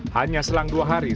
hanya selang dua hari